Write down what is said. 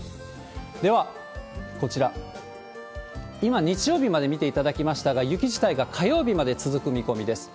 ではこちら、今、日曜日まで見ていただきましたが、雪自体が火曜日まで続く見込みです。